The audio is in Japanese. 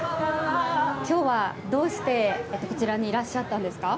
今日はどうして、こちらにいらっしゃったんですか？